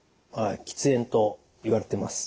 喫煙といわれてます。